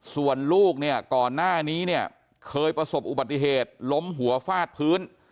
ส่วนลูกเนี่ยก่อนหน้านี้เนี่ยเคยประสบอุบัติเหตุล้มหัวฟาดพื้น